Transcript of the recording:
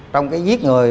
trong cái giết người